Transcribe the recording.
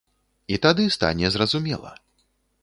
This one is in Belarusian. І тады стане зразумела.